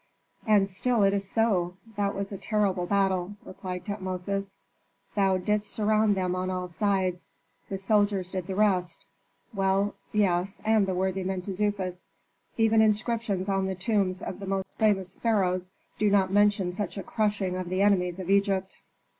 "And still it is so; that was a terrible battle," replied Tutmosis. "Thou didst surround them on all sides, the soldiers did the rest, well yes and the worthy Mentezufis. Even inscriptions on the tombs of the most famous pharaohs do not mention such a crushing of the enemies of Egypt."